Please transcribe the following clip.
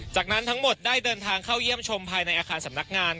จากนั้นทั้งหมดได้เดินทางเข้าเยี่ยมชมภายในอาคารสำนักงาน